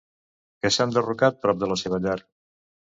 Què s'ha enderrocat prop de la seva llar?